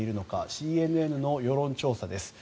ＣＮＮの世論調査です。